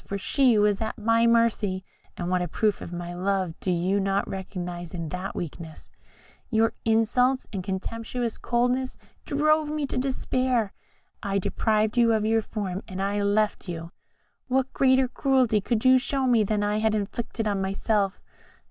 for she was at my mercy and what a proof of my love do you not recognise in that weakness? Your insults and contemptuous coldness drove me to despair. I deprived you of your form, and I left you. What greater cruelty could you show me than I had inflicted on myself?